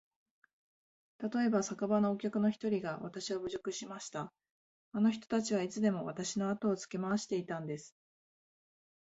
たとえば、酒場のお客の一人がわたしを侮辱しました。あの人たちはいつでもわたしのあとをつけ廻していたんです。